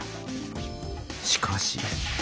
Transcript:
しかし。